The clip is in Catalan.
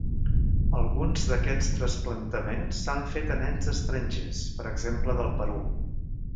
Alguns d'aquests trasplantaments s'han fet a nens estrangers, per exemple del Perú.